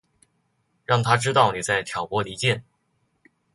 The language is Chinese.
让他知道妳在挑拨离间